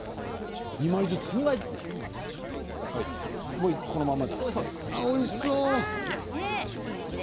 もうこのままでいいんですね。